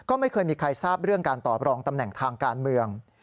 ก็ไม่เคยมีใครทราบเรื่องการตอบรองตำแหน่งทางการเมือง